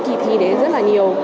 kỳ thi đấy rất là nhiều